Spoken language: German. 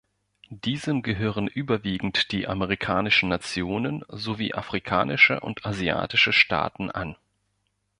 Diesem gehören überwiegend die amerikanischen Nationen sowie afrikanische und asiatische Staaten an.